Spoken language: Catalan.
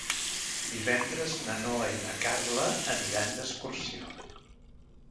Divendres na Noa i na Carla aniran d'excursió.